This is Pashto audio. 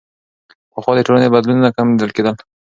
پخوا د ټولنې بدلونونه کم لیدل کېدل.